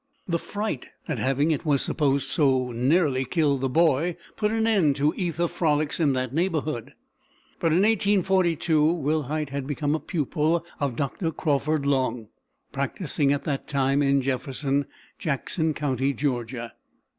The fright at having, it was supposed, so nearly killed the boy, put an end to ether frolics in that neighbourhood; but in 1842 Wilhite had become a pupil of Dr. Crauford Long, practising at that time at Jefferson (Jackson County, Georgia).